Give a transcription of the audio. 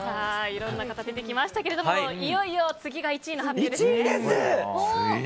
いろんな方が出てきましたがいよいよ次が１位の発表ですね。